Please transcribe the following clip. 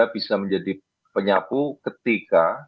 bisa menjadi penyapu ketika